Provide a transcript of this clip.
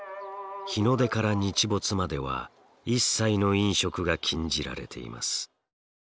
日の出から日没までは一切の飲食が禁じられています。